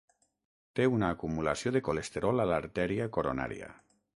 Té una acumulació de colesterol a l'arteria coronària.